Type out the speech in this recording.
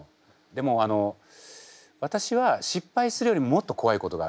でもあの私は失敗するよりももっとこわいことがある。